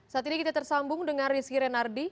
saat ini kita tersambung dengan rizky renardi